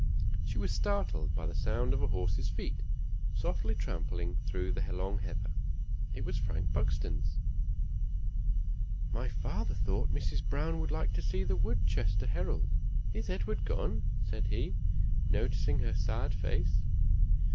She was startled by the sound of a horse's feet, softly trampling through the long heather. It was Frank Buxton's. "My father thought Mrs. Browne would like to see the Woodchester Herald. Is Edward gone?" said he, noticing her sad face.